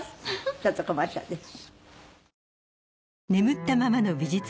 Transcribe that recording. ちょっとコマーシャルです。